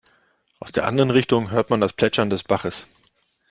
Aus der anderen Richtung hörte man das Plätschern eines Baches.